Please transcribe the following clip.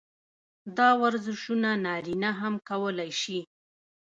دا ورزشونه نارينه هم کولے شي -